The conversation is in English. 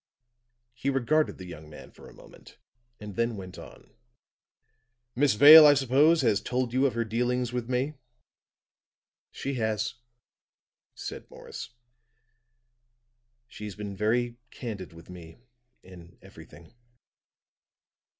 He regarded the young man for a moment, and then went on. "Miss Vale, I suppose, has told you of her dealings with me." "She has," said Morris. "She's been very candid with me in everything.